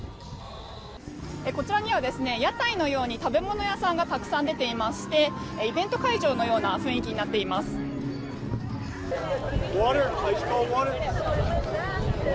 こちらには屋台のように食べ物屋さんがたくさん出ていましてイベント会場のような雰囲気になっています。